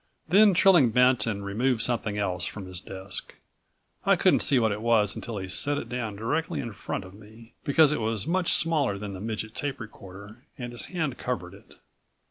Then Trilling bent and removed something else from his desk. I couldn't see what it was until he set it down directly in front of me, because it was much smaller than the midget tape recorder and his hand covered it.